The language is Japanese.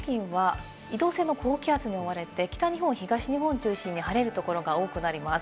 日本付近は移動性の高気圧に覆われて北日本、東日本を中心に晴れるところが多くなります。